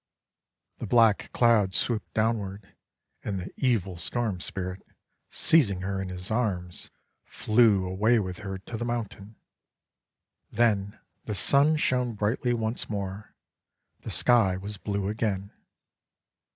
The black Cloud swooped downward, and the Evil Storm Spirit, seizing her in his arms, flew away with her to the mountain. Then the Sun shone brightly once more, the Sky was blue again.